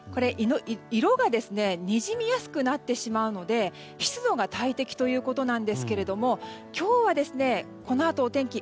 色がにじみやすくなってしまうので湿度が大敵ということなんですけれども今日はこのあとお天気